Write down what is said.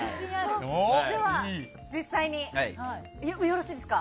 では実際に、よろしいですか。